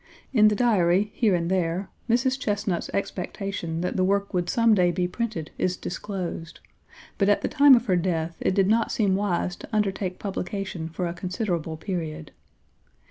In the Diary, here and there, Mrs. Chesnut's expectation that the work would some day be printed is disclosed, but at the time of her death it did not seem wise to undertake publication for a considerable period.